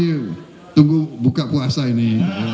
ini tunggu buka puasa ini